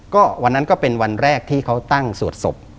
ก็วันนั้นก็เป็นวันแรกที่เขาตั้งสวดศพ